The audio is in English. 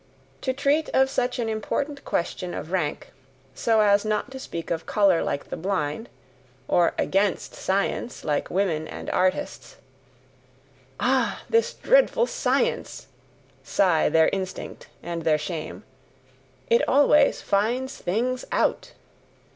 to treat of such an important question of rank, so as not to speak of colour like the blind, or AGAINST science like women and artists ("Ah! this dreadful science!" sigh their instinct and their shame, "it always FINDS THINGS OUT!").